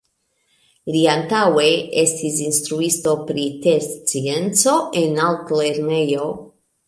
Li antaŭe estis instruisto pri terscienco en altlernejo.